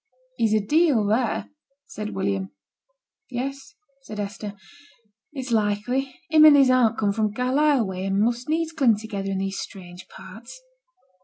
'He's a deal there,' said William. 'Yes,' said Hester. 'It's likely; him and his aunt come from Carlisle way, and must needs cling together in these strange parts.'